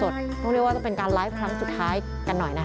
ต้องเรียกว่าจะเป็นการไลฟ์ครั้งสุดท้ายกันหน่อยนะคะ